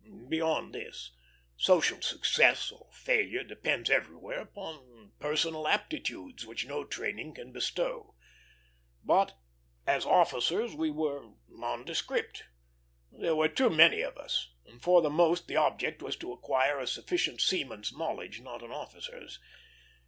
Beyond this, social success or failure depends everywhere upon personal aptitudes which no training can bestow. But as officers we were nondescript. There were too many of us; and for the most the object was to acquire a sufficient seaman's knowledge, not an officer's.